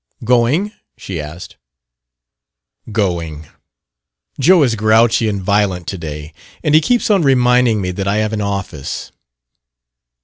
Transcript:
"Going?" she asked. "Going. Joe is grouchy and violent today. And he keeps on reminding me that I have an office."